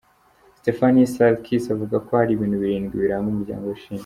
Stephanie Sarkis avuga ko hari ibintu birindwi biranga umuryango wishimye.